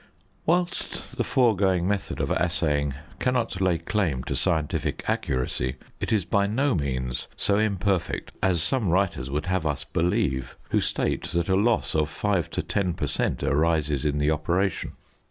Whilst the foregoing method of assaying cannot lay claim to scientific accuracy, it is by no means so imperfect as some writers would have us believe, who state that a loss of 5 to 10 per cent. arises in the operation.